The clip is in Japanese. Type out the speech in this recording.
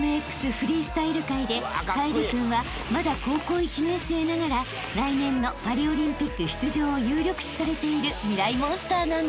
フリースタイル界で楓君はまだ高校１年生ながら来年のパリオリンピック出場を有力視されているミライ☆モンスターなんです］